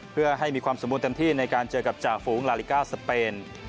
เพื่อให้มีความสมบูรณเต็มที่ในการเจอกับจ่าฝูงลาลิกาสเปน